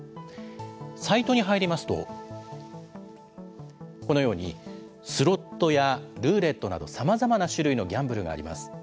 サイトに入りますと、このようにスロットやルーレットなどさまざまな種類のギャンブルがあります。